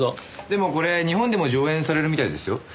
でもこれ日本でも上演されるみたいですよ。